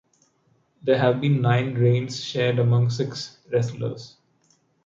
There have been nine reigns shared among six wrestlers.